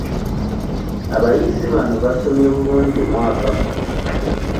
Abayizi bano basomye bulungi omwaka guno.